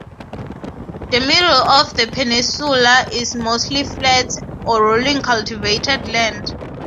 The middle of the peninsula is mostly flat or rolling cultivated land.